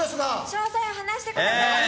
詳細を話してください！